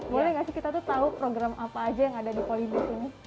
boleh nggak sih kita tahu program apa aja yang ada di polindes ini